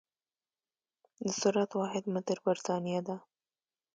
د سرعت واحد متر پر ثانيه ده.